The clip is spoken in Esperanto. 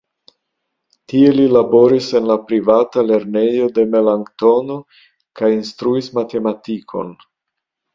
Tie li laboris en la privata lernejo de Melanktono kaj instruis matematikon.